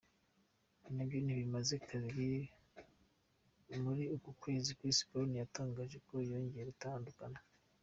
nabyo ntibimaze kabiri muri uku kwezi Chris Brown yatangaje ko yongeye gutandukana.